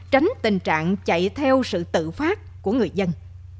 tránh tình trạng chạy theo sự tự phát của người dân